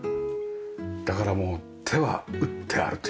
だからもう手は打ってあるというね。